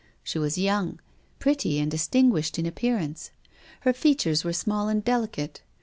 She was young, pretty and distinguished in appearance. Her features were small and delicate.